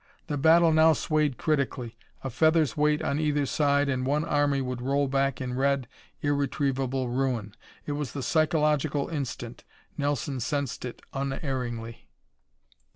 The battle now swayed critically; a feather's weight on either side and one army would roll back in red, irretrievable ruin. It was the psychological instant. Nelson sensed it unerringly.